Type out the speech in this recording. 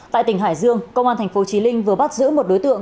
tại tỉnh hải dương công an tp chí linh vừa bắt giữ một đối tượng